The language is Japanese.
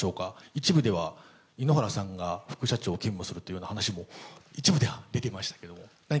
一部では井ノ原さんが副社長を兼務するというような話も、一部では出てましたけれども、何か。